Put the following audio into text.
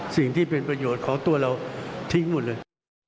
สิ่งที่เป็นประโยชน์ของตัวเราทิ้งหมดเลย